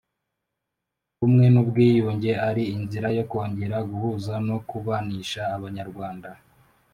ubumwe n ubwiyunge ari inzira yo kongera guhuza no kubanisha Abanyarwanda